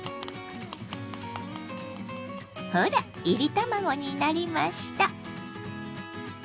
ほらいり卵になりました。